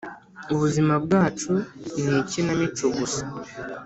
ubu buzima bwacu ni ikinamico gusa;